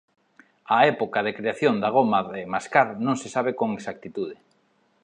A época de creación da goma de mascar non se sabe con exactitude.